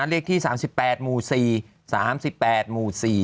เรียกที่๓๘หมู่๔